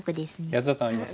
安田さんはいます？